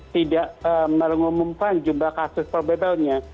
tidak mengumumkan jumlah kasus probable nya